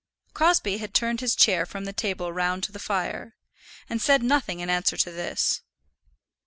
Crosbie had turned his chair from the table round to the fire, and said nothing in answer to this.